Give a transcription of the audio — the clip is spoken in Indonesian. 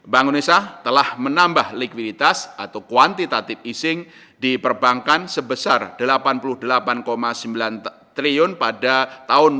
bank indonesia telah menambah likuiditas atau kuantitative easing di perbankan sebesar rp delapan puluh delapan sembilan triliun pada tahun dua ribu dua puluh